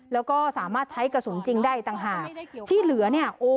แล้วก็สามารถใช้กระสุนจริงได้อีกต่างหากที่เหลือเนี่ยโอ้